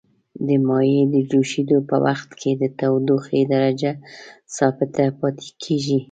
د مایع د جوشیدو په وقت کې د تودوخې درجه ثابته پاتې کیږي.